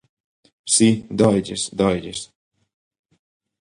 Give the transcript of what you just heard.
Si, dóelles, dóelles.